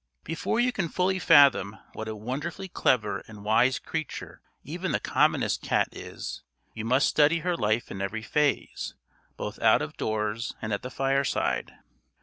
Before you can fully fathom, what a wonderfully clever and wise creature even the commonest cat is, you must study her life in every phase, both out of doors and at the fireside.